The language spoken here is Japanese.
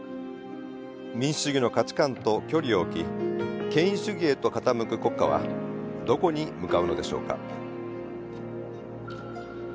民主主義の価値観と距離を置き権威主義へと傾く国家はどこに向かうのでしょうか。